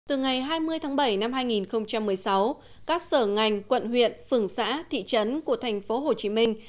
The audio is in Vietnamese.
từ ngày hai mươi tháng bảy năm hai nghìn một mươi sáu các sở ngành quận huyện phường xã thị trấn của thành phố hồ chí minh